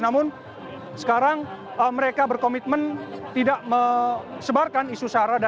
namun sekarang mereka berkomitmen tidak menyebarkan isu sara